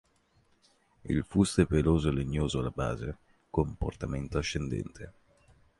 Il fusto è peloso e legnoso alla base con portamento ascendente.